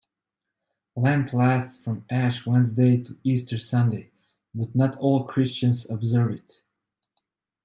Lent lasts from Ash Wednesday to Easter Sunday, but not all Christians observe it.